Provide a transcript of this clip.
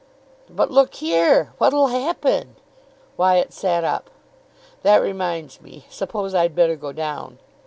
"But look here, what'll happen?" Wyatt sat up. "That reminds me. Suppose I'd better go down."